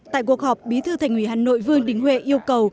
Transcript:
tại cuộc họp bí thư thành ủy hà nội vương đình huệ yêu cầu